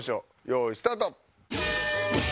用意スタート。